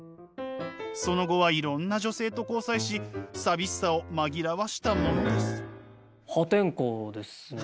その後はいろんな女性と交際し寂しさを紛らわしたものです。